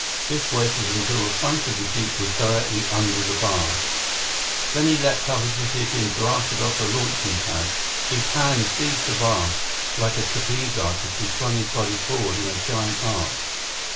Biff waited until the front of the jeep was directly under the bar. Then he leaped up as if he'd been blasted off a launching pad. His hands seized the bar. Like a trapeze artist, he swung his body forward in a giant arc.